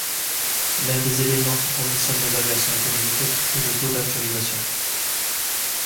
L'un des éléments qui conditionnent l'évaluation économique est le taux d'actualisation.